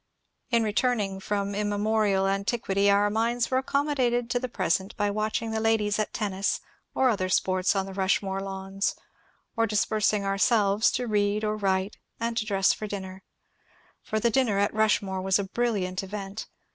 In returning from immemorial antiquity our minds were acconmiodated to the present by watching the ladies at tennis or other sports on the Rushmore lawns, or dispersing our selves to read or write, and to dress for dinner. For the din ner at Rushmore was a brilliant event.